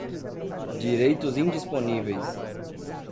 direitos indisponíveis